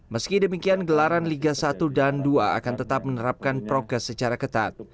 meski demikian gelaran liga satu dan dua akan tetap menerapkan progres secara ketat